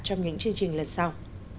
trong những chương trình lần sau